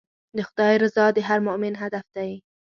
د خدای رضا د هر مؤمن هدف دی.